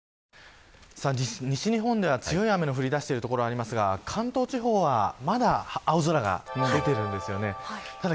西日本では強い雨の降り出している所がありますが関東地方は、まだ青空が出ているんですよね。